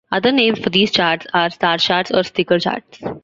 Other names for these charts are star charts or sticker charts.